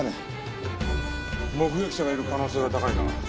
目撃者がいる可能性が高いな。